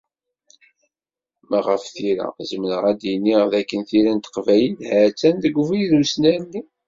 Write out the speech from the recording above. Ma ɣef tira, zemreɣ ad d-iniɣ d akken tira n teqbaylit, ha-tt-an deg ubrid n usnerni.